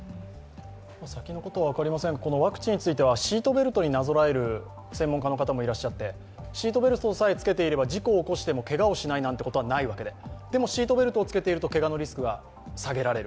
先のことは分かりませんが、ワクチンについてはシートベルトになぞらえる専門家の方もいらっしゃってシートベルトさえつけていれば事故を起こしてもけがをしないということないわけで、でもシートベルトをつけているとけがのリスクは下げられる。